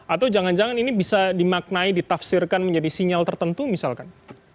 atau jangan jangan ini bisa dimaknai ditafsirkan menjadi sinyal tertentu misalkan